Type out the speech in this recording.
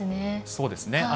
そうですね。